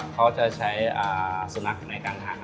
เขาจะใช้สุนัขในการหัก